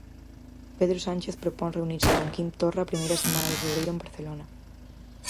Pedro Sánchez propón reunirse con Quim Torra a primeira semana de febreiro en Barcelona.